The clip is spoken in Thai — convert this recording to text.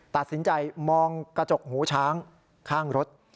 ตัดสินใจมองกระจกหูช้างข้างรถ